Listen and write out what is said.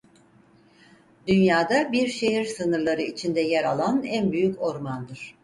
Dünyada bir şehir sınırları içinde yer alan en büyük ormandır.